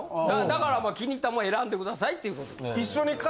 だからまあ気に入ったもんを選んでくださいっていうことです。